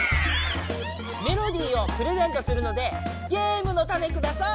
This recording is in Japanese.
メロディーをプレゼントするのでゲームのタネください！